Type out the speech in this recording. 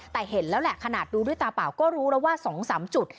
แต่เห็นแล้วแหละขนาดดูด้วยตาเปล่าก็รู้แล้วว่า๒๓จุด